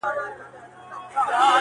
• پر کاله ټول امتحان راسي مگر..